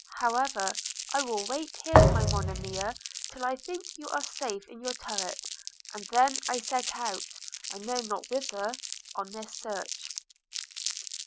However, I will wait here, my Monimia, till I think you are safe in your turret, and then set out – I know not whither – on this search.'